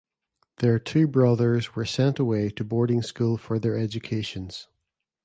Their two brothers were sent away to boarding school for their educations.